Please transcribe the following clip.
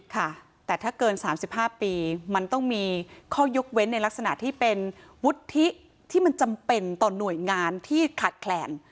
ค่ะแต่ถ้าเกิน๓๕ปีมันต้องมีข้อยกเว้นในลักษณะที่เป็นวุฒิที่มันจำเป็นต่อหน่วยงานที่ขาดแคลน